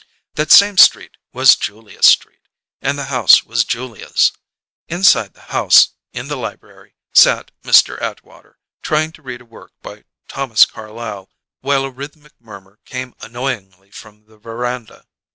That same street was Julia's Street and the house was Julia's. Inside the house, in the library, sat Mr. Atwater, trying to read a work by Thomas Carlyle, while a rhythmic murmur came annoyingly from the veranda.